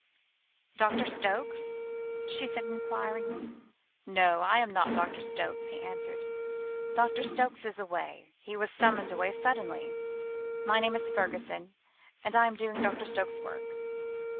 "Doctor Stokes?" she said enquiringly. "No, I am not Doctor Stokes," he answered. "Doctor Stokes is away; he was summoned away suddenly. My name is Fergusson, and I am doing Doctor Stokes's work."